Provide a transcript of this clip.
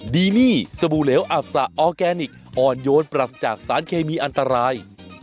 ดีนี่สบู่เหลวอับสะออร์แกนิคอ่อนโยนปรัสจากสารเคมีอันตราย